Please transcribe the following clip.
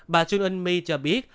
bà jun in mi cho biết